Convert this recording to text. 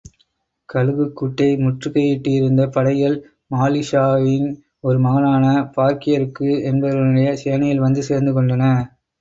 கழுகுக் கூட்டை முற்றுகையிட்டிருந்த படைகள் மாலிக்ஷாவின் ஒரு மகனான பார்க்கியருக் என்பவனுடைய சேனையில் வந்து சேர்ந்து கொண்டன.